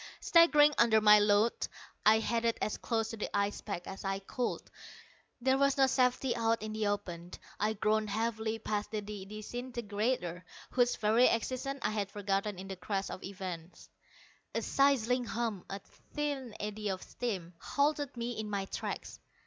Staggering under my load, I headed as close to the ice pack as I could. There was no safety out in the open. I groaned heavily past the disintegrator, whose very existence I had forgotten in the crash of events. A sizzling hum, a thin eddy of steam, halted me in my tracks.